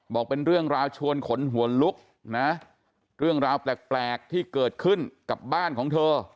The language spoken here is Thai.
บอกเป็นเรื่องราวชวนขนหัวลุกนะเรื่องราวแปลกที่เกิดขึ้นกับบ้านของเธอ